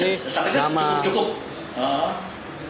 tapi sejauh ini cukup cukup